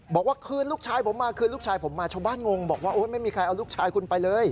บอกว่าคืนลูกชายผมมาคืนลูกชายผมมาชาวบ้านงงบอกว่าโอ๊ยไม่มีใครเอาลูกชายคุณไปเลย